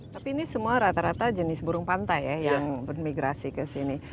tapi ini semua rata rata jenis burung pantai ya yang bermigrasi ke sini